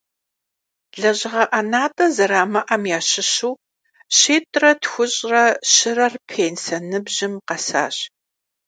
Лэжьыгъэ ӏэнатӏэ зэрамыӏэм ящыщу щитӏрэ тхущӏрэ щырэр пенсэ ныбжьым къэсащ.